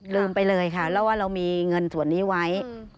ไปเลยค่ะแล้วว่าเรามีเงินส่วนนี้ไว้